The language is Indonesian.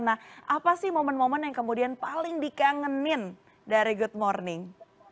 nah apa sih momen momen yang kemudian paling dikangenin dari good morning